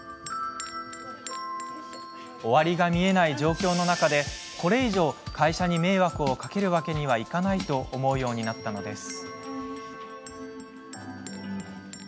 終わりが見えない状況の中でこれ以上、会社に迷惑をかけるわけにはいかないと思うようになったのです。